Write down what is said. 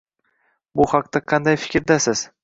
Bu haqda qanday fikrdasiz?